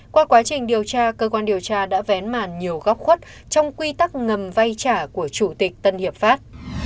qua quá trình điều tra cơ quan điều tra đã vén màn nhiều góc khuất trong quy tắc ngầm vay trả của chủ tịch tân hiệp pháp